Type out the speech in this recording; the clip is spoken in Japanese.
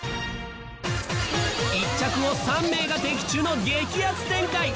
１着を３名が的中の激アツ展開！